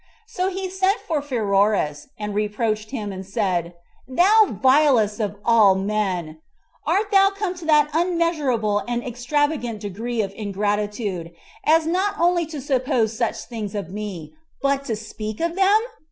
So he sent for Pheroras, and reproached him, and said, "Thou vilest of all men! art thou come to that unmeasurable and extravagant degree of ingratitude, as not only to suppose such things of me, but to speak of them?